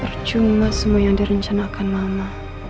percuma semua yang direncanakan mama